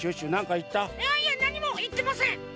いやいやなにもいってません！